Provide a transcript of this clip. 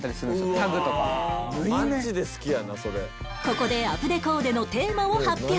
ここでアプデコーデのテーマを発表